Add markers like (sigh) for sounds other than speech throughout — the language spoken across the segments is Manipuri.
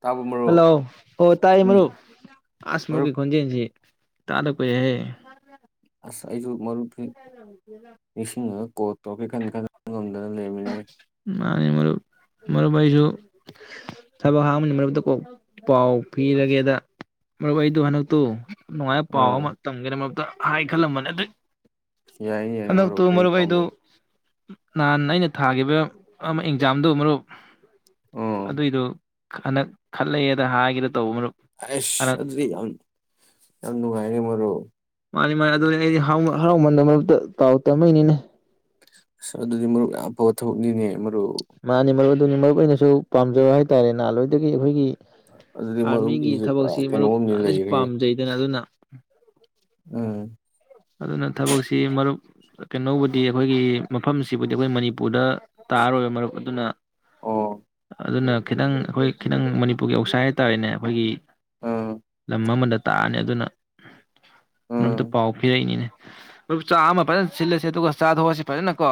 ꯇꯥꯕ ꯃꯔꯨꯞ ꯍꯜꯂꯣ ꯍꯣ ꯇꯥꯏꯌꯦ ꯎꯝ ꯃꯔꯨꯞ ꯑꯁ ꯃꯔꯨꯞ ꯃꯔꯨꯞꯀꯤ ꯈꯣꯟꯖꯁꯤ ꯇꯥꯗ ꯀꯨꯏꯔꯦꯍꯦ ꯑꯁ ꯑꯩꯁꯨ ꯃꯔꯨꯞ ꯅꯤꯡꯁꯤꯡꯉꯒ ꯀꯣꯜ ꯇꯧꯔꯛꯀꯦ ꯈꯡꯅꯥ ꯈꯜꯅ ꯉꯝꯗꯗꯅ ꯂꯩꯔꯃꯤꯅꯦ ꯃꯥꯅꯤ ꯃꯔꯨꯞ ꯃꯔꯨꯞ ꯑꯩꯁꯨ ꯊꯕꯛ ꯍꯥꯡꯕꯅꯤꯅꯥ ꯃꯔꯨꯞꯇ ꯀꯣꯛ ꯄꯥꯎ ꯄꯤꯔꯒꯦꯗ ꯃꯔꯨꯞ ꯑꯩꯗꯨ ꯍꯟꯗꯛꯇꯨ ꯅꯨꯡꯉꯥꯏꯕ ꯄꯥꯎ ꯎꯝ ꯑꯃꯥ ꯇꯝꯒꯦꯗꯥ ꯃꯔꯨꯞ ꯍꯥꯏ ꯈꯜꯂꯝꯕꯅꯤ ꯑꯗꯨ ꯌꯥꯏꯌꯦ ꯌꯥꯏꯌꯦ ꯃꯔꯨꯞ ꯀꯔꯤ ꯄꯥꯎꯅꯣ ꯅꯍꯥꯟ ꯑꯩꯅ ꯊꯥꯈꯤꯕ ꯑꯃ ꯑꯦꯛꯖꯥꯝꯗꯨ ꯃꯔꯨꯞ ꯎꯝ ꯑꯗꯨꯏꯗꯨ ꯍꯟꯗꯛ ꯈꯜꯂꯛꯑꯦꯗ ꯍꯥꯏꯒꯦꯗꯥ ꯑꯦꯁ ꯑꯗꯨꯗꯤ ꯌꯥꯝ ꯌꯥꯝ ꯅꯨꯡꯉꯥꯏꯔꯦ ꯃꯔꯨꯞ ꯃꯥꯅꯤ ꯃꯥꯅꯤ ꯑꯗꯨꯅꯦ ꯑꯩꯗꯤ ꯍꯔꯥꯎꯃꯟꯗ ꯃꯔꯨꯞꯇ ꯄꯥꯎ ꯇꯝꯃꯩꯅꯤꯅꯦ ꯑꯥꯁ ꯑꯗꯨꯗꯤ ꯃꯔꯨꯞ ꯌꯥꯝ ꯐꯕꯥ ꯊꯕꯛꯅꯤꯅꯦ ꯃꯔꯨꯞ ꯃꯥꯅꯤ ꯃꯔꯨꯞ ꯑꯗꯨꯅꯤ ꯃꯔꯨꯞ ꯑꯩꯅꯁꯨ ꯄꯥꯝꯖꯕ ꯍꯥꯏꯇꯥꯔꯦ ꯅꯍꯥꯟꯜꯋꯥꯏꯗꯒꯤ ꯑꯩꯈꯣꯏꯒꯤ ꯑꯗꯨꯗꯤ ꯑꯥꯔꯃꯤꯒꯤ ꯃꯔꯨꯞꯀꯤꯁꯦ ꯄꯨꯔꯥ ꯊꯕꯛꯁꯤ ꯃꯔꯨꯞ ꯀꯩꯅꯣꯝꯅꯤ ꯅꯥꯍꯟꯗꯩꯩꯁꯨ ꯂꯩꯔꯦ ꯄꯥꯝꯖꯩꯗꯅ ꯑꯗꯨꯅ ꯎꯝ ꯑꯗꯨꯅ ꯊꯕꯛꯁꯤ ꯃꯔꯨꯞ ꯀꯩꯅꯣꯕꯨꯗꯤ ꯑꯩꯈꯣꯏꯒꯤ ꯃꯐꯝꯁꯤꯕꯨꯗꯤ ꯑꯩꯈꯣꯏ ꯃꯅꯤꯄꯨꯔꯗ ꯇꯔꯔꯣꯏꯕ ꯃꯔꯨꯞ ꯑꯗꯨꯅ ꯑꯣ ꯑꯗꯨꯅ ꯈꯤꯇꯪ ꯑꯩꯈꯣꯏ ꯈꯤꯇꯪ ꯃꯅꯤꯄꯨꯔꯒꯤ ꯑꯧꯁꯥꯏ ꯍꯥꯏꯇꯥꯥꯔꯦꯅꯦ ꯑꯩꯈꯣꯏꯒꯤ ꯎꯝ ꯂꯝ ꯑꯃꯗ ꯇꯥꯔꯥꯅꯤ ꯑꯗꯨꯅ ꯃꯔꯨꯞꯇꯥ ꯎꯝ ꯄꯥꯎ ꯅꯤꯅꯦ ꯆꯥꯛ ꯑꯃ ꯐꯖꯅ ꯁꯤꯜꯂꯁꯦ ꯑꯗꯨꯒ ꯆꯥ ꯊꯣꯛꯑꯁꯤ ꯐꯖꯅ ꯀꯣ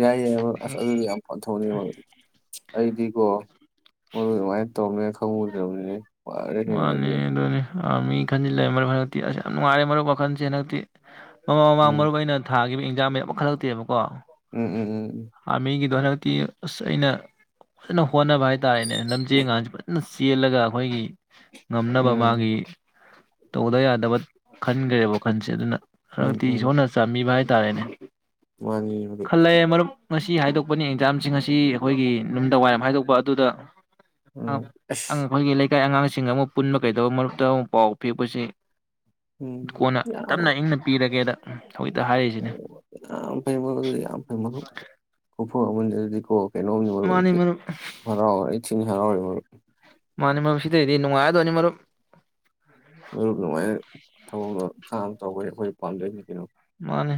ꯌꯥꯏ ꯌꯥꯏ ꯑꯁ ꯑꯗꯨꯗꯤ ꯌꯥꯝ ꯐꯕ ꯊꯕꯛꯅꯦ ꯑꯩꯗꯤꯀꯣ ꯑꯣ ꯃꯥꯏ ꯇꯧꯃꯦ ꯃꯅꯦ ꯑꯗꯨꯅꯦ ꯑꯥꯔꯃꯤ ꯈꯟꯖꯤꯜꯂꯦ ꯃꯔꯨꯞ ꯍꯟꯗꯛꯇꯤ ꯑꯁ ꯌꯥꯝ ꯅꯨꯡꯉꯥꯏꯔꯦ ꯃꯔꯨꯞ ꯋꯥꯈꯜꯁꯦ ꯍꯟꯗꯛꯇꯤ ꯃꯃꯥꯡ ꯃꯃꯥꯡ ꯎꯝ ꯃꯔꯨꯞ ꯑꯩꯅ ꯊꯥꯈꯤꯕ ꯌꯥꯝꯃꯦ ꯑꯃꯣꯛ ꯈꯜꯂꯛꯇꯦꯕ ꯀꯣ ꯎꯝ ꯎꯝ ꯎꯝ ꯑꯥꯔꯃꯤ ꯑꯗꯣ ꯍꯟꯗꯛꯇꯤ ꯑꯁ ꯑꯩꯅ ꯐꯖꯅ ꯍꯣꯠꯅꯕ ꯍꯥꯏꯇꯥꯥꯔꯦꯅꯦ ꯂꯝꯖꯦꯜꯒꯁꯦ ꯆꯦꯜꯂꯒ ꯑꯩꯈꯣꯏꯒꯤ ꯉꯝꯅꯕ ꯎꯝ ꯃꯥꯒꯤ ꯇꯧꯗ ꯌꯥꯗꯕ ꯈꯟꯈ꯭ꯔꯦꯕ ꯋꯥꯈꯟꯁꯦ ꯑꯗꯨꯅ ꯍꯟꯗꯛꯇꯤ ꯏꯁꯣꯔꯅ ꯆꯥꯟꯕꯤꯕ ꯍꯥꯏ ꯇꯥꯔꯦꯅꯦ ꯃꯅꯤꯗꯨ ꯉꯁꯤ ꯍꯥꯏꯗꯣꯛꯄꯅꯤ ꯑꯦꯛꯖꯥꯝꯁꯤꯡ ꯉꯁꯤ ꯑꯩꯈꯣꯏꯒꯤ ꯅꯨꯃꯤꯗꯥꯡ ꯋꯥꯏꯔꯝ ꯍꯥꯏꯗꯣꯛꯄ ꯑꯗꯨꯗ ꯎꯝ ꯉ ꯑꯁ ꯐꯦ ꯂꯩ ꯂꯩꯀꯥꯏ ꯑꯉꯥꯡꯁꯤꯡ ꯑꯃꯨꯛ ꯄꯨꯟꯕ ꯀꯩꯗꯧꯕ ꯃꯔꯛꯇ ꯑꯃꯨꯛ ꯄꯥꯎ ꯄꯤꯕꯁꯤ ꯗꯨ ꯎꯝ ꯀꯣꯟꯅ ꯇꯞꯅ ꯏꯪꯅ ꯄꯤꯔꯒꯦꯗ (inaudible) ꯍꯥꯏꯔꯤꯁꯤꯅꯦ ꯑꯣ ꯌꯥꯝ ꯐꯩ ꯃꯔꯨꯞ ꯌꯥꯝ ꯐꯩ ꯈꯨꯐ ꯑꯃꯅꯤ ꯑꯗꯨꯗꯤꯀꯣ ꯀꯩꯅꯣꯝꯅꯤ ꯃꯥꯅꯤ ꯃꯔꯨꯗꯗꯤ ꯃꯔꯨꯞ ꯍꯔꯥꯎ ꯍꯔꯩ ꯊꯤꯡꯉ ꯍꯔꯥꯎꯔꯦ ꯃꯔꯨꯞ ꯃꯥꯅꯤ ꯃꯔꯨꯞ ꯁꯤꯗꯩꯗꯤ ꯅꯨꯡꯉꯥꯏꯗꯣꯏꯅꯤ ꯃꯔꯨꯞ ꯃꯔꯨꯞ ꯅꯨꯉꯥꯏꯅ ꯊꯕꯛ ꯈꯥꯡ ꯇꯧꯋꯦ ꯑꯩꯈꯣꯏ ꯄꯥꯝꯗꯣꯏꯅꯤ ꯀꯩꯅꯣ ꯃꯥꯅꯦ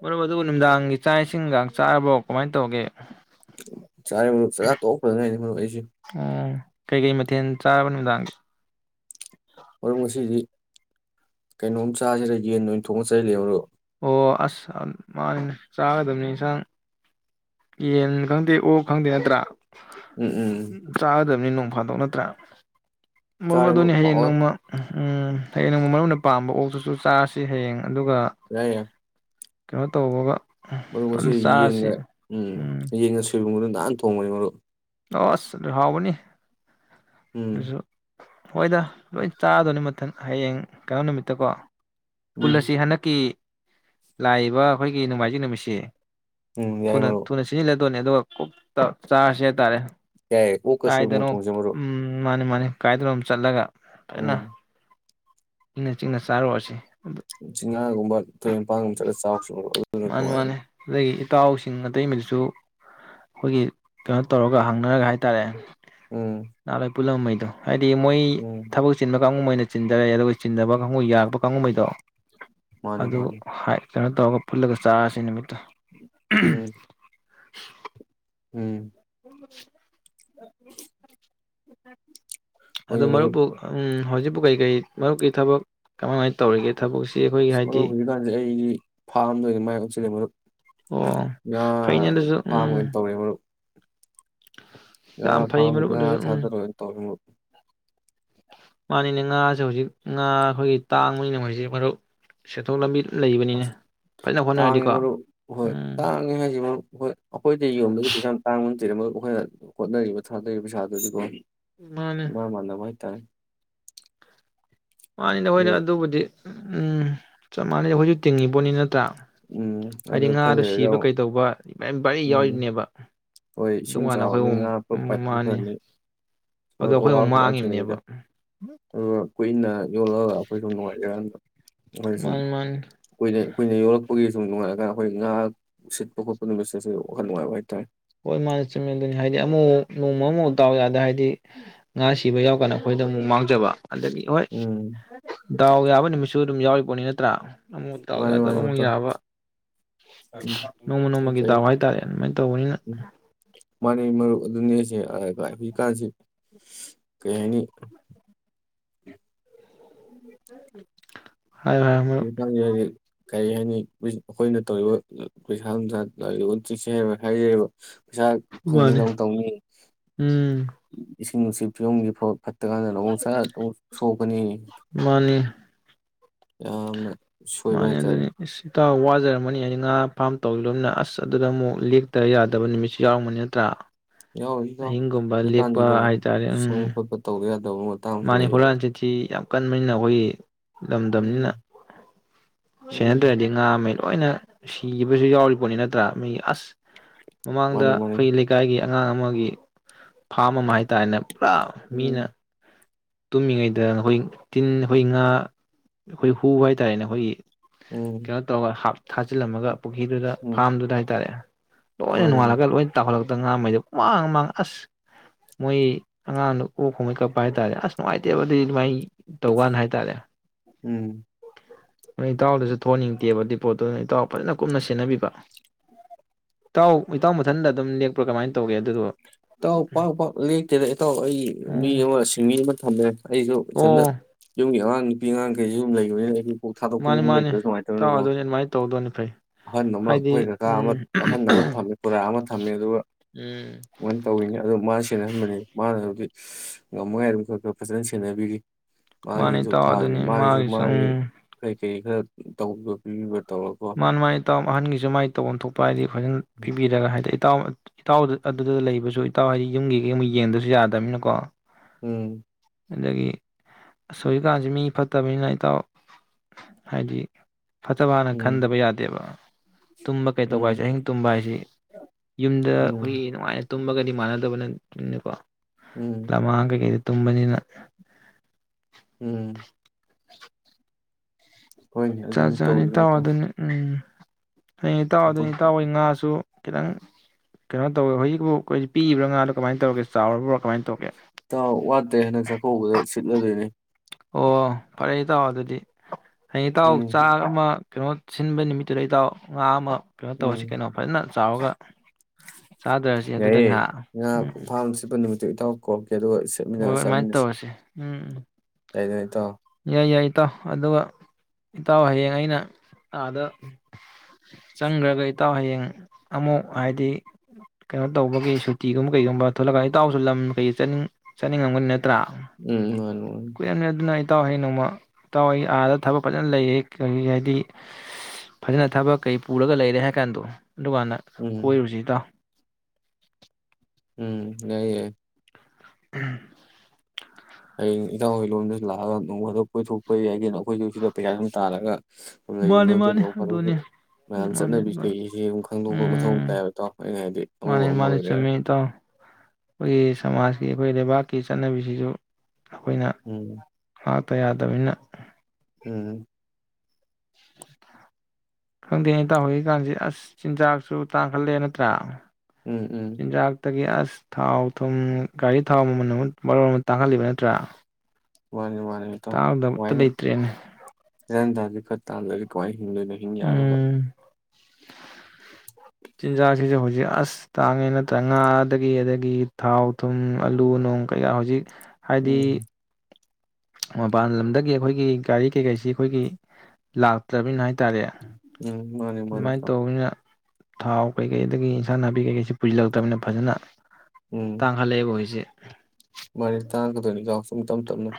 ꯃꯔꯨꯞ ꯑꯗꯨꯒ ꯅꯨꯡꯗꯥꯡꯒꯤ ꯆꯥꯛ ꯏꯁꯤꯡꯒ ꯆꯥꯔꯕꯣ ꯀꯃꯥꯏꯅ ꯇꯧꯒꯦ ꯆꯥꯔꯦ ꯃꯔꯨꯞ ꯆꯥꯛ ꯆꯥ ꯇꯣꯛꯄꯗ ꯉꯥꯏꯔꯤꯅꯦ ꯃꯔꯨꯞ ꯑꯩꯁꯦ ꯀꯩ ꯀꯩ ꯃꯊꯦꯜ ꯆꯥꯔꯕ ꯅꯨꯡꯗꯥꯡꯒꯤ ꯃꯔꯨ ꯉꯥꯁꯤꯗꯤ ꯀꯩꯅꯣꯝ ꯆꯥꯁꯤꯗ ꯌꯦꯟ ꯑꯣꯏꯅ ꯊꯣꯡꯉ ꯆꯩꯂꯩꯍꯧꯔꯣ ꯑꯣ ꯑꯁ ꯃꯥꯅꯤꯅꯦ ꯆꯥꯒꯗꯕꯅꯤ ꯌꯦꯟꯁꯥꯡ ꯌꯦꯟ ꯈꯪꯗꯦ ꯑꯣꯛ ꯈꯪꯗꯦ ꯅꯠꯇ꯭ꯔꯥ ꯎꯝ ꯎꯝ ꯎꯝ (unintelligible) ꯅꯣꯡ ꯐꯥꯗꯣꯛ ꯅꯠꯇ꯭ꯔꯥ ꯃꯔꯨꯞ ꯆꯥꯔꯦ ꯑꯗꯨꯅꯤ ꯍꯌꯦꯡ ꯍꯥꯎꯋꯦ ꯅꯣꯡꯃ ꯎꯝ ꯍꯌꯦꯡꯅꯣꯡꯃ ꯃꯔꯨꯞꯅ ꯄꯥꯝꯕ ꯑꯣꯛꯇꯨꯁꯨ ꯆꯥꯔꯁꯤ ꯍꯌꯦꯡ ꯑꯗꯨꯒ ꯀꯩꯅꯣ ꯇꯧꯕꯒ ꯃꯔꯨ ꯉꯁꯤ ꯐꯖꯅ ꯆꯥꯔꯁꯤ ꯌꯦꯟꯒ ꯎꯝ ꯌꯦꯡꯉꯁꯤ ꯁꯣꯢꯕꯨꯝꯒꯗꯨ ꯅꯥꯟ ꯊꯣꯡꯕꯅꯤ ꯃꯔꯨꯞ꯫ ꯑꯁ ꯍꯥꯎꯕꯅꯤ꯫ ꯎꯝ ꯗꯨꯖꯨ ꯍꯣꯏꯗ ꯂꯣꯏ ꯆꯥꯗꯣꯏꯅꯤ ꯃ ꯏꯊꯟ ꯍꯌꯦꯡ ꯀꯩꯅꯣ ꯅꯨꯃꯤꯠꯇ ꯀꯣ꯫ ꯎꯝ ꯄꯨꯜꯂꯁꯤ ꯍꯟꯗꯛꯀꯤ ꯂꯥꯛꯏꯕ ꯑꯩꯈꯣꯏꯒꯤ ꯅꯣꯡꯃꯥꯏꯖꯤꯡ ꯅꯨꯃꯤꯠꯁꯤ ꯎꯝ ꯌꯥꯏ ꯊꯨꯅ ꯃꯔꯨꯞ ꯊꯨꯅꯁꯤꯖꯤ ꯂ ꯑꯗꯨꯅꯦ ꯑꯗꯨꯒ ꯆꯥꯁꯦ ꯍꯥꯏꯇꯥꯔꯦ ꯌꯥꯏ ꯑꯣꯛꯀ ꯁꯣꯏꯕꯨꯝꯒ ꯊꯣꯡꯁꯦ ꯃꯔꯨꯞ ꯃꯥꯅꯦ ꯃꯥꯅꯦ ꯀꯥꯏꯗꯅꯣꯝ ꯆꯠꯂꯒ ꯐꯖꯅꯥ ꯎꯝ ꯏꯪꯅ ꯆꯤꯛꯅ ꯆꯥꯔꯣꯁꯤ ꯆꯤꯡꯌꯥꯒꯨꯝꯕ ꯇꯨꯔꯦꯟꯄꯥꯟꯒꯨꯝꯕ ꯆꯠꯂ ꯆꯥꯎꯁꯣ ꯑꯗꯨꯅ ꯅꯨꯡꯉꯥꯏꯅꯤ ꯇꯥꯎꯁꯤꯡ ꯑꯇꯩ ꯃꯗꯨꯁꯨ ꯑꯈꯣꯏꯒꯤ ꯀꯅꯣ ꯇꯧꯔꯒ ꯍꯪꯅꯔꯒ ꯍꯥꯏꯇꯥꯔꯦ ꯎꯝ (unintelligible) ꯄꯨꯜꯂꯝꯃꯩꯗꯣ ꯍꯥꯏꯗꯤ ꯃꯣꯏ ꯎꯝ ꯊꯕꯛ ꯆꯤꯟꯕ ꯀꯥꯡꯉꯨꯝꯃꯩꯅ ꯆꯤꯟꯗꯔꯦ ꯑꯗꯨꯒ ꯆꯤꯟꯗꯕ ꯀꯥꯡꯉꯨ ꯌꯥꯔꯛꯄ ꯀꯥꯡꯉꯨꯃꯩꯗꯣ ꯃꯥꯅꯤ ꯑꯗꯨ ꯃꯥꯅꯤ ꯍꯥꯏ ꯀꯩꯅꯣꯇꯧꯒ ꯄꯨꯜꯂꯒ ꯆꯥꯁꯦ ꯅꯨꯃꯤꯠ ꯎꯝ (unintelligible) ꯎꯝ (unintelligible) (unintelligible) ꯑꯗꯨ ꯍꯣꯏꯅꯦ ꯃꯔꯨꯞ ꯃꯔꯨꯞꯄꯨ ꯎꯝ ꯍꯧꯖꯤꯛ ꯗꯨ ꯀꯩ ꯀꯩ ꯃꯔꯨꯞꯀꯤ ꯊꯕꯛ ꯀꯥꯃꯥꯏ ꯀꯃꯥꯏꯅ ꯇꯧꯔꯤꯒꯦ ꯊꯕꯛꯁꯤ ꯑꯩꯈꯣꯏꯒꯤ ꯁ ꯍꯥꯏꯗꯤ ꯃꯔꯨꯞ ꯍꯧꯖꯤꯛꯀꯥꯟꯁꯦ ꯑꯩꯒꯤ ꯐꯥ꯭ꯔꯝꯗ ꯑꫭꯏꯅ ꯃꯥꯏ ꯑꫭꯟꯁꯤꯜꯂꯦ ꯃꯔꯨꯞ ꯑꯣ ꯉꯥ ꯐꯩꯅꯦ ꯑꯗꯨꯁꯨ ꯐꯥꯝ ꯎꯝ ꯑꫭꯏꯅ ꯇꯧꯔꯦ ꯃꯔꯨꯞ ꯉꯥ ꯌꯥꯝ ꯐꯩ ꯐꯥꯝ ꯃꯔꯨꯞ ꯉꯥ ꯑꯗꯨꯁꯨ ꯎꯝ ꯊꯥꯗꯔ ꯑꯣꯏꯅ ꯇꯧꯋꯦ ꯃꯔꯨꯞ ꯃꯥꯅꯤꯅꯦ ꯉꯥꯁꯦ ꯍꯧꯖꯤꯛ ꯉꯥ ꯑꯈꯣꯏꯒꯤ ꯇꯥꯡꯕꯅꯤꯅ ꯍꯧꯖꯤꯛ ꯃꯔꯨꯞ ꯁꯦꯟꯊꯣꯛ ꯂꯝꯕꯤ ꯂꯩꯕꯅꯤꯅꯦ ꯐꯖꯅ ꯇꯥꯡꯉꯦ ꯍꯣꯠꯅꯔꯗꯤꯀꯣ ꯃꯔꯨꯞ ꯍꯣꯏ ꯎꯝ ꯇꯥꯡꯉꯦ ꯍꯥꯏꯁꯦ ꯃꯔꯨꯞ ꯍꯣꯏ ꯑꯈꯣꯏꯗꯩ ꯌꯣꯟꯕꯗꯤ ꯀꯩꯁꯨ ꯌꯥꯝ ꯇꯥꯡꯕ ꯅꯠ ꯗꯦ ꯃꯔꯨꯞ ꯑꯈꯣꯏꯅ ꯍꯣꯠꯅꯔꯤꯕ ꯊꯥꯗꯔꯤꯕ ꯄꯩꯁꯥꯗꯨꯗꯤꯀꯣ ꯏ ꯃꯥꯅꯦ ꯃꯥꯟ ꯃꯥꯟꯅꯕ ꯍꯥꯏ ꯇꯥꯔꯦ ꯃꯥꯅꯤꯅꯦ ꯑꯗꯣ ꯍꫭꯏꯏꯅꯦ ꯑꯗꯨꯕꯨꯗꯤ ꯎꯝ ꯆꯞ ꯃꯥꯟꯅꯩ ꯑꯈꯣꯏꯁꯨ ꯇꯤꯡꯉꯤ ꯄꯣꯠꯅꯤ ꯅꯠꯇ꯭ꯔꯥ ꯎꯝ ꯑꯗꯨ ꯍꯥꯏꯗꯤ ꯈꯔ ꯉꯥꯗꯣ ꯂꯩꯔꯒ ꯁꯤꯕ ꯑꯃꯨꯛ ꯀꯩꯗꯧꯕ ꯃꯌꯤꯝ ꯕꯔꯤ ꯎꯝ ꯌꯥꯎꯔꯤꯅꯦꯕ ꯍꯣꯏ ꯏꯁꯤꯡ ꯑꯗꯨꯀꯥꯟꯗ ꯑꯩꯈꯣꯏ ꯆꯥꯎꯔꯅꯤ ꯉꯥ ꯑꯃꯨꯛ ꯄꯨꯂꯞ ꯃꯥꯅꯤ ꯄꯥꯏꯊꯣꯛꯈ꯭ꯔꯅꯤ ꯑꯗꯣ ꯑꯩꯈꯣꯏ ꯑꯃꯨꯛ ꯑꯋꯥꯕꯁꯨ ꯃꯌꯥꯝ ꯊꯦꯡꯅꯅꯤꯅ ꯃꯥꯡꯉꯤꯕꯅꯦꯕ ꯑꯗꯨꯒ ꯀꯨꯏ ꯅ ꯌꯣꯜꯂꯒ ꯑꯈꯣꯏ ꯖꯨ ꯅꯨꯡꯉꯥꯏꯖꯔ ꯑꯈꯣꯏ ꯁꯨꯝ ꯃꯥꯅꯤ ꯃꯥꯅꯤ ꯀꯨꯏꯅꯩ ꯀꯨꯏꯅ ꯌꯣꯛꯂꯛꯄꯒꯤ ꯁꯨꯝ ꯅꯨꯡꯉꯥꯏꯔꯀꯥꯟꯗ ꯑꯈꯣꯏꯅ ꯉꯥ ꯁꯤꯠꯄ ꯈꯣꯠꯄ ꯅꯨꯃꯤꯠꯁꯦꯁꯨ ꯋꯥꯈꯜ ꯅꯨꯡꯉꯥꯏꯕ ꯍꯥꯏꯇꯥꯔꯦ ꯍꯣꯏ ꯃꯥꯅꯦ ꯆꯨꯝꯃꯦ ꯑꯗꯨꯅꯤ ꯍꯥꯏꯗꯤ ꯑꯃ ꯃꯨꯛ ꯅꯣꯡꯃ ꯑꯃꯃꯨꯛ ꯗꯥꯎ ꯌꯥꯗ ꯍꯥꯏꯗꯤ ꯉꯥ ꯁꯤꯕ ꯌꯥꯎꯀꯥꯟꯗ ꯑꯈꯣꯏꯗ ꯑꯃꯨꯛ ꯃꯥꯡꯖꯕ ꯑꯗꯒꯤ ꯍꯣꯏ ꯎꯝ ꯗꯥꯎ ꯌꯥꯕ ꯅꯨꯃꯤꯠꯁꯨ ꯑꯗꯨꯝ ꯌꯥꯎꯔꯤꯄꯣꯠꯅꯤ ꯅꯠꯇ꯭ꯔꯥ ꯑꯃꯨꯛ ꯗꯥꯎ ꯃꯥꯅꯤ ꯌꯥꯗꯕ ꯃꯥꯅꯤ ꯑꯃꯨꯛ ꯃꯇꯥꯎ ꯌꯥꯕ ꯅꯣꯡꯃ ꯅꯣꯡꯃꯒꯤ ꯗꯥꯎ ꯍꯥꯏꯇꯥꯔꯦ ꯑꯗꯨꯃꯥꯏꯅ ꯇꯧꯕꯅꯤꯅ ꯎꯝ ꯃꯥꯅꯤ ꯃꯔꯨꯞ ꯑꯗꯨꯅꯤꯖꯦ ꯍ ꯕꯥꯏ ꯍꯧꯖꯤꯛꯀꯥꯟꯖꯤ ꯀꯩ ꯍꯥꯏꯅꯤ (unintelligible) ꯍꯥꯏꯌꯨ ꯍꯥꯏꯌꯨ ꯃꯔꯨꯞ (unintelligible) ꯀꯔꯤ ꯍꯥꯏꯅꯤ ꯑꯈꯣꯏꯅ ꯇꯧꯔꯤꯕ ꯄꯩꯁꯥ ꯅꯨꯡꯁꯥ ꯇꯥꯜꯂꯤꯕ (unintelligible) ꯍꯥꯏꯔꯛꯑꯦꯕ ꯄꯩꯁꯥ ꯃꯥꯅꯤ ꯐꯪꯅꯤꯗꯧ ꯇꯧꯅꯤ ꯎꯝ ꯏꯁꯤꯡ ꯅꯨꯡꯁꯤꯠ ꯐꯤꯕꯝꯒꯤ ꯐꯥꯎ ꯐꯠꯇ ꯀꯥꯟꯗ ꯂꯣꯡꯁꯔ ꯁꯣꯛꯀꯅꯤ ꯃꯥꯅꯤ ꯌꯥꯝꯅ ꯁꯣꯏꯕ ꯃꯥꯅꯦ ꯍꯥꯏꯇꯥꯔꯦ ꯑꯗꯨꯅꯤ ꯏꯇꯥꯎ ꯋꯥꯖꯔꯝꯃꯅꯤ ꯑꯩꯅ ꯉꯥ ꯐꯥꯝ ꯇꯧꯖꯤꯜꯂꯨꯕꯅꯤꯅ ꯑꯁ ꯑꯗꯨꯗ ꯑꯃꯨꯛ ꯂꯦꯛꯇ ꯌꯥꯗꯕ ꯅꯨꯃꯤꯠꯁꯨ ꯌꯥꯎꯔꯝꯒꯅꯤ ꯅꯠꯇ꯭ꯔꯥ ꯌꯥꯎꯏ ꯏꯇꯥꯎ ꯑꯍꯤꯡꯒꯨꯝꯕ ꯍꯧꯖꯤꯀꯥꯟꯗꯤꯀꯣ ꯁꯨꯝ ꯈꯣꯠꯄ ꯇꯧꯗ ꯌꯥꯗ ꯃꯥꯅꯤ ꯍꯨꯔꯥꯟ ꯆꯤꯟꯊꯤ ꯌꯥꯝ ꯀꯟꯕꯅꯤꯅ ꯑꯈꯣꯏꯒꯤ ꯂꯝꯗꯝꯅꯤꯅ ꯎꯝ ꯎꯝ ꯁꯦꯟꯅꯗ꯭ꯔꯗꯤ ꯉꯥ ꯃ ꯂꯣꯏꯅ ꯁꯤꯈꯤꯕꯁꯨ ꯌꯥꯎꯔꯤ ꯄꯣꯠꯅꯤ ꯅꯠꯇ꯭ꯔꯥ ꯃꯤꯒꯤ ꯑꯁ ꯃꯃꯥꯡꯗ ꯃꯥꯅꯤ ꯃꯥꯅꯤ ꯈꯣꯏ ꯂꯩꯀꯥꯏꯒꯤ ꯑꯉꯥꯡ ꯑꯃꯒꯤ ꯐꯥꯝ ꯑꯃ ꯍꯥꯏꯇꯥꯔꯦꯅꯦ ꯄꯨꯔꯥ ꯃꯤꯅ ꯎꯝ ꯇꯨꯝꯃꯤꯉꯩꯗ ꯑꯈꯣꯏ ꯇꯤꯟ ꯑꯈꯣꯏ ꯉꯥ ꯑꯈꯣꯏ ꯍꯨ ꯍꯥꯏꯇꯥꯔꯦꯅꯦ ꯑꯈꯣꯏꯒꯤ ꯎꯝ ꯀꯩꯅꯣ ꯇꯧꯔꯒ ꯍꯥꯞ ꯊꯥꯖꯤꯜꯂꯝꯃꯒ ꯄꯨꯈꯤꯗꯨꯗ ꯎꯝ ꯐꯥꯔꯝꯗꯨꯗ ꯍꯥꯏꯇꯥꯔꯦ ꯂꯣꯏꯅ ꯃꯥꯅꯤꯅꯦ ꯅꯣꯉꯥꯜꯂꯒ ꯂꯣꯏ ꯇꯥꯎꯈ ꯇ ꯉꯥꯃꯩꯗꯨ ꯄꯨꯡꯃꯥꯡ ꯃꯥꯡ ꯑꯁ ꯃꯣꯏ ꯑꯉꯥꯡꯗꯣ ꯎꯣꯈꯣꯡꯉꯩ ꯀꯞꯄ ꯍꯥꯏꯇꯥꯥꯔꯦ ꯑꯁ ꯅꯨꯡꯉꯥꯏꯇꯦꯕ ꯑꯗꯨꯏ ꯃꯥꯏ ꯇꯧꯒꯥꯟ ꯍꯥꯏꯇꯥꯔꯦ ꯎꯝ ꯅꯣꯏ ꯏꯇꯥꯎꯗꯨꯁꯨ ꯊꯣꯛꯍꯟꯅꯤꯡꯗꯦꯕ ꯗꯨꯏ ꯄꯣꯠꯇꯨ ꯑꯗꯨꯅ ꯏꯇꯥꯎ ꯐꯖꯅ ꯀꯨꯞꯅ ꯁꯦꯟꯅꯕꯤꯕ ꯏꯇꯥꯎ-ꯏꯇꯥꯎ ꯃꯊꯟꯗ ꯑꯗꯨꯝ ꯂꯦꯛꯄ꯭ꯔꯥ ꯀꯃꯥꯏꯅ ꯇꯧꯒꯦ ꯑꯗꯨꯗꯣ ꯏꯇꯥꯎ ꯄꯥꯛ-ꯄꯥꯛ ꯂꯦꯛꯇꯦꯗ ꯏꯇꯥꯎ ꯑꯩ ꯃꯤ ꯎꯝ ꯑꯃ ꯁꯤꯡꯃꯤ ꯑꯃ ꯊꯝ ꯌꯦ ꯑꯩꯁꯨ ꯏꯊꯟꯗ ꯑꯣ ꯌꯨꯝꯒꯤ ꯑꯉꯥꯡ ꯅꯨꯄꯤ ꯑꯉꯥꯡ ꯀꯩꯁꯨ ꯌꯨꯝꯗ ꯂꯩꯕꯅꯤ ꯑꯗꯨ ꯀꯣꯛ ꯊꯥꯗꯣꯛꯄ ꯃꯥꯅꯤ ꯌꯨꯝ ꯃꯥꯅꯤ ꯂꯩꯇ꯭ꯔꯦ ꯏꯇꯥꯎ ꯅꯨꯉꯥꯏꯇꯕꯅꯤꯅꯀꯣ ꯑꯗꯨꯅꯤ ꯑꯗꯨꯃꯥꯏꯅ ꯇꯧꯗꯣꯏꯅꯤ ꯐꯩ ꯑꯍꯟ ꯑꯃ ꯍꯥꯏꯗꯤ ꯑꯩꯈꯣꯏ ꯀꯀꯥ ꯑꯃ ꯎꯝ ꯑꯍꯟ ꯑꯃ ꯊꯝꯃꯦ ꯈꯨꯔꯥ ꯑꯃ ꯊꯝꯃꯦ ꯑꯗꯨꯒ ꯎꯝ ꯌꯣꯟ ꯇꯧꯔꯤꯅꯤ ꯑꯗꯣ ꯃꯥꯅ ꯁꯦꯟꯅꯍꯟꯕꯅꯤ ꯃꯥꯅꯕꯨꯗꯤ ꯉꯝꯃꯣꯏ ꯍꯥꯏ ꯊꯕꯛꯇꯣ ꯑꯗꯨꯝ ꯈꯛ ꯐꯖꯅ ꯁꯦꯟꯅꯕꯤꯔꯤ ꯃꯥꯅꯤ ꯃꯥꯒꯤꯁꯨ ꯏꯇꯥꯎ ꯊꯥꯒꯤ ꯑꯗꯅꯤ ꯃꯥꯒꯤꯁꯨ ꯃꯥꯒꯤ ꯎꯝ ꯀꯩ ꯀꯩ ꯈꯔ ꯇꯧꯕ ꯄꯤꯕꯤꯕ ꯇꯧꯔꯀꯣ ꯃꯥꯅꯤ ꯃꯥꯅꯤ ꯏꯇꯥꯎ ꯑꯍꯟꯒꯤꯁꯨ ꯃꯥꯏ ꯇꯧꯕꯝ ꯊꯣꯛꯄ ꯍꯥꯏꯗꯤ ꯐꯖꯟ ꯄꯤꯕꯤꯔꯒ ꯍꯥꯏꯗꯤ ꯏꯇꯥꯎ ꯏꯇꯥꯎ ꯑꯗꯨꯗ ꯂꯩꯕꯁꯨ ꯏꯇꯥꯎ ꯍꯥꯏꯗꯤ ꯌꯨꯝꯒꯤ ꯀꯩꯝꯒꯤ ꯌꯦꯡꯗꯁꯨ ꯌꯥꯗꯕꯅꯤꯅꯀꯣ ꯎꯝ ꯑꯗꯒꯤ ꯑꯁ ꯍꯧꯖꯤꯛꯀꯥꯟꯁꯤ ꯃꯤ ꯐꯠꯇꯕꯅꯤꯅ ꯏꯇꯥꯎ ꯍꯥꯏꯗꯤ ꯐꯠꯇ ꯎꯝ ꯈꯟꯗꯕ ꯌꯥꯗꯦꯕ ꯇꯨꯝꯕ ꯀꯩꯇꯧꯕ ꯍꯥꯏꯁꯦ ꯎꯝ ꯑꯍꯤꯡ ꯇꯨꯝꯕ ꯍꯥꯏꯁꯤ ꯌꯨꯝꯗ ꯎꯝ ꯑꯈꯣꯏꯒꯤ ꯅꯨꯡꯉꯥꯏꯅ ꯇꯨꯝꯕꯒꯗꯤ ꯃꯥꯟꯅꯗꯕꯅꯤꯅꯀꯣ ꯎꯝ ꯂꯃꯥꯡ ꯀꯦꯀꯩ ꯇꯨꯝꯕꯅꯤꯅ ꯎꯝ ꯍꯣꯏꯅꯦ ꯖꯥꯠ ꯑꯗꯨꯅꯤ ꯖꯥꯠꯅꯤ ꯇꯧꯔꯤꯁꯦ ꯏꯇꯥꯎ ꯑꯗꯨꯅꯤ ꯎꯝ ꯍꯌꯦꯡ ꯏꯇꯥꯎ ꯑꯗꯨ ꯊꯕꯛ ꯏꯇꯥꯎꯋꯣꯏ ꯉꯥꯁꯨ ꯈꯤꯇꯪ ꯀꯩꯅꯣ ꯇꯧꯋꯦ ꯍꯧꯖꯤꯛꯄꯨ ꯑꯩꯈꯣꯏ ꯄꯤꯛꯏꯕ꯭ꯔꯥ ꯉꯥꯗꯣ ꯀꯃꯥꯏꯅ ꯇꯧꯔꯒꯦ ꯆꯥꯎꯔꯕ꯭ꯔꯥ ꯀꯃꯥꯏ ꯇꯧ ꯏꯇꯥꯎ ꯋꯥꯇ꯭ꯔꯦ ꯍꯟꯗꯛ ꯆꯥꯀꯧꯕꯗ ꯁꯤꯠꯂꯗꯣꯏꯅꯤ ꯑꯣ ꯐꯔꯦ ꯏꯇꯥꯎ ꯑꯗꯨꯗꯤ ꯍꯌꯦꯡ ꯏꯇꯥꯎ ꯎꯝ ꯆꯥꯛ ꯑꯃ ꯀꯩꯅꯣ ꯁꯤꯟꯕꯩ ꯅꯨꯃꯤꯠꯇꯨꯗꯩ ꯏꯗꯥꯥꯎ ꯉꯥ ꯑꯃ ꯀꯅꯣ ꯎꯝ ꯇꯧꯔꯁꯤ ꯀꯩꯅꯣ ꯐꯖꯅ ꯆꯥꯎꯔꯒ ꯆꯥꯗꯔꯁꯤ ꯑꯗꯨꯗꯒꯤ ꯌꯥꯏꯌꯦ ꯍꯥ ꯉꯥ ꯎꯝ ꯐꯥꯝ ꯆꯠꯄ ꯅꯨꯃꯤꯠꯇꯨ ꯏꯇꯥꯎ ꯀꯧꯔꯛꯀꯦ ꯑꯗꯨꯒ ꯍꯣꯏ ꯆꯠꯃꯤꯟꯅꯔ ꯍꯣꯏ ꯑꯗꯨꯃꯥꯏꯅ ꯆꯠꯃꯤꯟꯅꯁꯤ ꯇꯧꯔꯁꯤ ꯎꯝ ꯌꯥꯏꯗꯅ ꯏꯇꯥꯎ ꯌꯥꯏ ꯌꯥꯏ ꯏꯇꯥꯎ ꯑꯗꯨꯒ ꯏꯇꯥꯎ ꯍꯌꯦꯡ ꯑꯩꯅ ꯑꯥꯗ ꯆꯪꯈ꯭ꯔꯒ ꯏꯇꯥꯎ ꯍꯌꯦꯡ ꯑꯃꯨꯛ ꯍꯥꯏꯗꯤ ꯀꯩꯅꯣ ꯇꯧꯕꯒꯤ ꯁꯨꯇꯤꯒꯨꯝꯕ ꯀꯩꯒꯨꯝꯕ ꯊꯣꯛꯂꯛꯀ ꯏꯇꯥꯎꯁꯨ ꯂꯝ ꯀꯩ ꯆꯠꯅꯤꯡ ꯆꯠꯅꯤꯡꯉꯝꯒꯅꯤ ꯅꯠꯇ꯭ꯔꯥ ꯎꯝ ꯍꯣꯏ ꯀꯣꯏ ꯑꯗꯨꯅꯨꯡꯥꯏ ꯏꯇꯥꯎꯍꯩ ꯅꯣꯡꯃ ꯏꯇꯥꯎꯍꯩ ꯑꯥꯗ ꯊꯕꯛ ꯐꯖꯅ ꯂꯩꯌꯦ ꯀꯔꯤ ꯍꯥꯏꯗꯤ ꯐꯖꯅ ꯊꯕꯛ ꯀꯩ ꯄꯨꯔꯒ ꯂꯩꯔꯦ ꯍꯥꯏ ꯀꯥꯟꯗꯣ ꯑꯗꯨꯀꯥꯟꯗ ꯎꯝ ꯀꯣꯏꯔꯨꯁꯤ ꯏꯇꯥꯎ ꯎꯝ ꯌꯥꯏꯌꯦ ꯌꯥꯏꯌꯦ ꯎꯝ ꯍꯌꯦꯡ ꯏꯇꯥꯎ ꯍꯣꯏ ꯂꯣꯝꯗꯁꯨ ꯂꯥꯛꯑꯒ ꯅꯣꯡꯐꯥꯗꯣꯛ ꯀꯣꯏꯊꯣꯛꯄꯩ ꯌꯥꯏ ꯀꯩꯅꯣ ꯑꯩꯈꯣꯏꯁꯨ ꯁꯤꯗ ꯄꯩꯁꯥ ꯑꯗꯨꯝ ꯇꯥꯔꯒ ꯂꯩꯕꯗꯣ ꯃꯥꯅꯤ ꯅꯠꯇꯦ ꯃꯥꯅꯤ ꯅꯣꯡꯐꯥꯗꯣꯛ ꯈꯔꯁꯨ ꯑꯗꯨꯅꯤ ꯃꯌꯥꯝ ꯃꯥꯅꯤ ꯆꯠꯅꯕꯤ ꯑꯗꯨꯃꯥꯏ ꯀꯩꯁꯤ ꯑꯗꯨꯝ ꯈꯪꯗꯣꯛꯄ ꯃꯊꯧ ꯎꯝ ꯇꯥꯏꯕꯇꯣ ꯑꯩꯅ ꯍꯥꯏꯗꯤ ꯑꯃꯕꯨ ꯃꯥꯅꯤ ꯑꯃ ꯃꯥꯅꯤ ꯑꯣꯏꯔꯦꯔꯥ ꯆꯨꯝꯃꯤ ꯗꯒꯤ ꯑꯩꯈꯣꯏ ꯂꯩꯕꯥꯛꯀꯤ ꯆꯠꯅꯕꯤꯁꯤꯁꯨ ꯑꯩꯈꯣꯏꯅ ꯎꯝ ꯉꯛ ꯇ ꯌꯥꯗꯕꯅꯤꯅ ꯎꯝ ꯈꯪꯗꯦ ꯏꯇꯥꯎ ꯍꯧꯖꯤꯛ ꯀꯥꯟꯁꯤ ꯑꯁ ꯆꯤꯟꯖꯥꯛꯁꯨ ꯇꯥꯡꯈꯠꯂꯦ ꯅꯠꯇ꯭ꯔꯥ ꯎꯝ ꯎꯝ ꯆꯤꯟꯖꯥꯒꯇꯒꯤ ꯑꯁ ꯊꯥꯎ ꯊꯨꯝ ꯒꯥꯔꯤ ꯊꯥꯎ ꯃꯃꯜ ꯑꯃ ꯃꯔꯣꯂ ꯑꯃ ꯇꯥꯡꯈꯠꯂꯤꯕ ꯅꯠꯇ꯭ꯔꯥ ꯃꯥꯅꯦ ꯃꯥꯅꯦ ꯇꯥꯡꯗꯕ ꯑꯝꯇ ꯂꯩꯇ꯭ꯔꯦꯅꯦ ꯏꯔꯟ ꯇꯔꯗꯤ ꯈ ꯇꯥ ꯍꯣꯏ ꯂꯣꯏꯅ ꯍꯤꯡ ꯌꯥꯕ ꯍꯥꯏ ꯆꯤꯟꯖꯥꯛꯁꯤꯁꯨꯦ ꯍꯧꯖꯤꯛ ꯑꯁ ꯇꯥꯡꯉꯦ ꯅꯠꯇ꯭ꯔꯒ ꯉꯥꯗꯒꯤ ꯑꯗꯒꯤ ꯊꯥꯎ ꯊꯨꯝ ꯑꯥꯂꯨ ꯅꯨꯡ ꯀꯩꯀ ꯍꯧꯖꯤꯛ ꯍꯥꯏꯕꯗꯤ ꯎꯝ ꯃꯄꯥꯟ ꯂꯝꯗꯒꯤ ꯑꯩꯈꯣꯏꯒꯤ ꯒꯥꯔꯤ ꯀꯩꯀꯩꯁꯤ ꯑꯩꯈꯣꯏꯒꯤ ꯂꯥꯛꯇ꯭ꯔꯕꯅꯤꯅ ꯍꯥꯏ ꯍꯥꯏꯇꯥꯔꯦ ꯎꯝ ꯃꯥꯅꯤ ꯃꯥꯅꯤ ꯑꯗꯨꯃꯥꯏꯅ ꯏꯇꯥꯎ ꯇꯧꯕꯅꯤꯅ ꯊꯥꯎ ꯀꯩꯀꯩꯗꯒꯤ ꯏꯟꯁꯥꯡ ꯅꯥꯄꯤ ꯀꯩꯀꯩꯁꯤ ꯄꯨꯁꯤꯜꯂꯛꯇꯕꯅꯤꯅ ꯐꯖꯅ ꯇꯥꯡꯈꯜꯂꯛꯑꯦꯕ ꯍꯧꯖꯤꯛꯁꯦ (unintelligible) ꯃꯅꯦ ꯇꯥꯡꯈꯠꯂꯛ ꯇꯣꯏꯅꯤ ꯁꯨꯝ ꯇꯞ ꯇꯞꯅ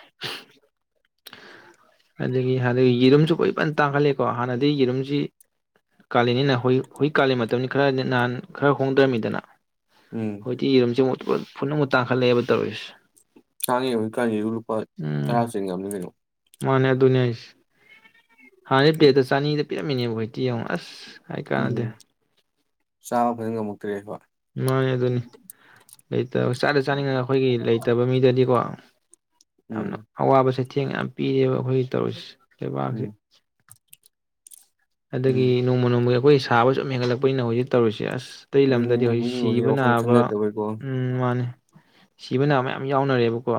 ꯑꯗꯨꯒꯤ ꯑꯥꯗꯨꯒꯤ ꯌꯦꯔꯨꯝꯁꯨ ꯍꯧꯖꯤꯛ ꯐꯟ ꯇꯥꯡꯈꯠꯂꯦꯀꯣ ꯍꯥꯟꯅꯗꯤ ꯌꯦꯔꯨꯝ ꯖꯤ ꯀꯥꯜꯂꯦꯟ ꯅꯤꯅ ꯍꯨꯏꯛ ꯀꯥꯜꯂꯦꯟ ꯃꯇꯝꯅꯤ ꯈꯔ ꯅꯍꯥꯟ ꯈꯔ ꯍꯣꯡꯗ꯭ꯔꯝꯃꯤꯗꯅ ꯎꯝ ꯍꯣꯏꯗꯤ ꯌꯦꯔꯨꯝꯁꯦ ꯊꯨꯅꯥ ꯑꯃꯨꯛ ꯇꯥꯡꯈꯠꯂꯛꯑꯦꯕ ꯇꯧꯔꯤ ꯁꯦ ꯇꯥꯡꯉꯦ ꯍꯨꯖꯤꯛꯀꯥꯟꯖꯤꯖꯨ ꯂꯨꯄꯥ ꯇꯔꯥ ꯆꯤꯡꯉꯝꯅꯤ ꯀꯩꯅꯣ꯫ ꯃꯥꯅꯦ ꯑꯗꯨꯅꯦ ꯍꯥꯢꯁꯦ꯫ ꯍꯥꯟꯅꯗꯩ ꯄ꯭ꯂꯦꯠꯇ ꯆꯅꯤꯗ ꯄꯤꯔꯛ ꯃꯤꯅꯦꯍꯣꯢꯇꯤ ꯌꯦꯡꯉꯣ ꯑꯁ꯫ ꯍꯥꯢ ꯀꯥꯟꯅꯗꯦ꯫ ꯎꯝ ꯆꯥꯕ ꯐꯖ ꯉꯝꯃꯛꯇ꯭ꯔꯦ ꯍꯦꯕ꯫ ꯃꯥꯅꯦ ꯑꯗꯨꯅꯤ, ꯂꯩꯇꯕ ꯆꯥꯗ ꯆꯥꯅꯤꯡꯉꯒ ꯑꯈꯣꯏꯒꯤ ꯂꯩꯇꯕ ꯃꯤꯗꯗꯤꯀꯣ ꯌꯥꯝꯅ ꯎꯝ ꯑꯋꯥꯕꯁꯦ ꯆꯦꯡ ꯌꯥꯝ ꯄꯤꯔꯦꯕ ꯑꯈꯣꯏꯒꯤ ꯇꯧꯔꯤꯁꯦ꯫ ꯂꯩꯕꯥꯛꯁꯤ ꯎꯝ ꯑꯗꯒꯤ ꯎꯝ ꯅꯣꯡꯃ ꯅꯣꯡꯃꯒꯤ ꯑ ꯑꯈꯣꯏ ꯁꯥꯕ ꯁꯨꯝ ꯍꯦꯟꯒꯠꯂꯛꯄꯅꯤꯅ ꯍꯧꯖꯤꯛ ꯇꯧꯔꯤꯁꯦ ꯑꯁ꯫ ꯑꯇꯩ ꯂꯝꯗꯗꯤ ꯑꯗꯨꯅꯤꯅꯦ ꯍꯧꯖꯤꯛ ꯃꯤ ꯃꯈꯩꯁꯦ ꯁꯤꯕ ꯋꯥꯈꯜ ꯅꯥꯕ ꯈꯟꯅꯗꯕꯩꯀꯣ ꯎꯝ ꯃꯥꯅꯤ꯫ ꯁꯤꯕ ꯅꯥꯕ ꯃꯌꯥꯝ ꯌꯥꯎꯅꯔꯦꯕꯀꯣ꯫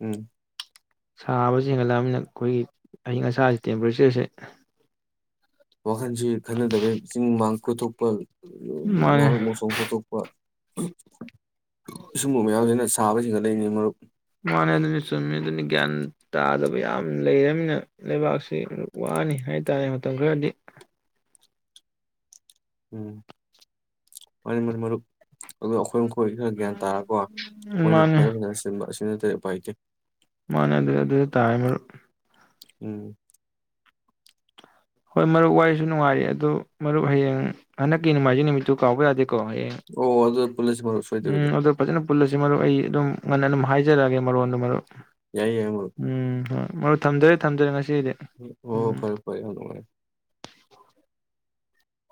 ꯎꯝ꯫ ꯁꯥꯕꯖꯦ ꯍꯦꯟꯒꯠꯂꯛꯑꯃꯤꯅ ꯑꯈꯣꯏꯒꯤ ꯑꯏꯪ ꯑꯁꯥꯒꯤ ꯇꯦꯝꯄꯔꯦꯆꯔꯁꯦ ꯋꯥꯈꯜꯁꯤ ꯈꯟꯅꯗꯕꯩ ꯆꯤꯡ ꯃꯥꯡ ꯀꯨꯇꯨꯞꯄꯜ ꯃꯥꯅꯦ ꯅꯥꯔꯛ ꯃꯣꯡꯁꯣꯡ ꯀꯣꯛ ꯊꯣꯛꯄ ꯁꯨꯝꯕ ꯃꯌꯥꯝꯁꯤꯅ ꯁꯥꯕꯁꯤ ꯍꯦꯟ ꯒꯠ ꯂꯛ ꯏꯅꯤ ꯃꯔꯨꯞ ꯃꯥꯅꯤ ꯑꯗꯨꯅ ꯆꯨꯝꯃꯤ ꯑꯗꯨꯅ ꯒ꯭ꯌꯥꯟ ꯇꯥꯗꯕ ꯌꯥꯝ ꯂꯩꯔꯝꯅꯤꯅ ꯂꯩꯕꯥꯛꯁꯤ ꯋꯥꯅꯤ ꯍꯥꯏ ꯇꯥꯔꯦ ꯃꯇꯝ ꯈꯔꯗꯤ ꯎꯝ ꯃꯅꯦ ꯃꯔꯨ ꯃꯔꯨꯞ ꯑꯗꯨꯒꯥ ꯑꯩꯈꯣꯏ ꯈꯔ ꯒ꯭ꯌꯥꯟ ꯇꯥꯔꯀꯣ ꯑꯩꯈꯣꯏꯅ ꯃꯥꯅꯦ ꯐꯖ ꯐꯖꯅ ꯁꯤꯟꯕ ꯑꯁꯤ ꯅꯠꯇꯦ ꯎꯄꯥꯏ ꯂꯩꯇꯦ ꯃꯥꯅꯦ ꯑꯗꯨ ꯑꯗꯨ ꯇꯥꯥꯏꯔꯦ ꯃꯔꯨꯞ ꯎꯝ ꯍꯣꯏ ꯃꯔꯨꯞ ꯋꯥꯔꯤꯁꯨ ꯅꯨꯡꯉꯥꯏꯔꯤ ꯑꯗꯨ ꯃꯔꯨꯞ ꯍꯌꯦꯡ ꯍꯟꯗꯛꯀꯤ ꯅꯣꯡꯃꯥꯏꯖꯤꯡ ꯅꯨꯃꯤꯠꯇꯨ ꯀꯥꯎꯕ ꯌꯥꯗꯦ ꯀ‌ꯣ ꯍꯌꯦꯡ ꯑꯣ ꯑꯗꯨꯗ ꯄꯨꯜꯂꯁꯤ ꯃꯔꯨꯞ ꯁꯣꯏꯗꯕꯤꯗ ꯎꯝ ꯑꯗꯨ ꯐꯖꯥꯅ ꯄꯨꯜꯂꯁꯦ ꯁꯤ ꯃꯔꯨꯞ ꯑꯩ ꯑꯗꯨꯝ ꯉꯟꯅ ꯑꯗꯨꯝ ꯍꯥꯏꯖꯔꯛꯑꯒꯦ ꯃꯔꯣꯟꯗꯨꯣ ꯃꯔꯨꯞ ꯌꯥꯏ ꯌꯥꯏ ꯃꯔꯨꯞ ꯎꯝ ꯍ ꯃꯔ ꯊꯝꯖꯔ ꯊꯖꯔꯦ ꯉ ꯑꯣ ꯐꯔꯦ ꯐꯔꯦ ꯍꯅ ꯃꯅꯦ